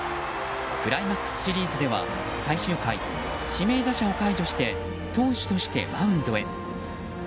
クライマックスシリーズでは最終回、指名打者を解除して投手としてマウンドへ。